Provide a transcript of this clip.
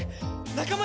仲間？